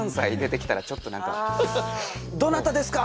「どなたですか？」